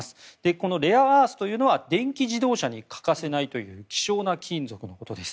このレアアースというのは電気自動車に欠かせないという希少な金属のことです。